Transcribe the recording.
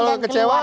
bukan soal kecewaan